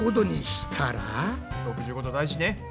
６５℃大事ね。